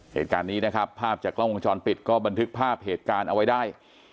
เหตุการณ์นี้นะครับภาพจากกล้องวงจรปิดก็บันทึกภาพเหตุการณ์เอาไว้ได้